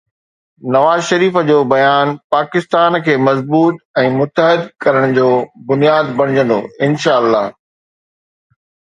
نواز شريف جو بيان پاڪستان کي مضبوط ۽ متحد ڪرڻ جو بنياد بڻجندو، انشاءَ الله.